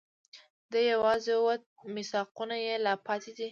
دی یواځي ووت، میثاقونه یې لا پاتې دي